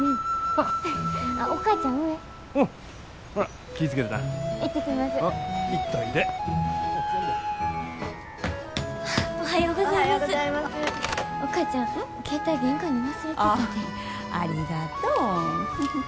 ああありがとう。